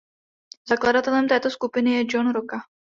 Zakladatelem této skupiny je John Rocca.